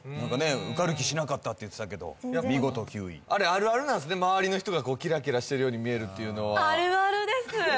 受かる気しなかったって言ってたけど見事９位あれあるあるなんすね周りの人がキラキラしてるように見えるのはあるあるです